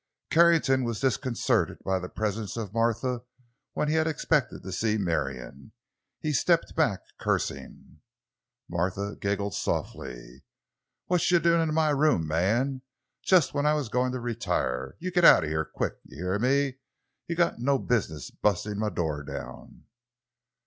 Carrington was disconcerted by the presence of Martha when he had expected to see Marion. He stepped back, cursing. Martha giggled softly. "What you doin' in my room, man; just when I'se goin' to retiah? You git out o' heah—quick! Yo' heah me? Yo' ain't got no business bustin' my door down!"